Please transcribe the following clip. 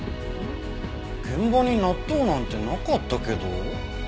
現場に納豆なんてなかったけど。